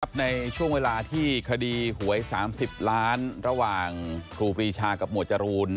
ในช่วงเวลาที่คดีหวย๓๐ล้านระหว่างครูปรีชากับหมวดจรูน